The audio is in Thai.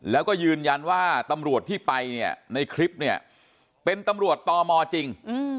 แล้วก็ยืนยันว่าตำรวจที่ไปเนี่ยในคลิปเนี่ยเป็นตำรวจตมจริง